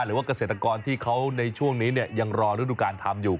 หรือว่าเกษตรกรที่เขาในช่วงนี้ยังรอฤดูการทำอยู่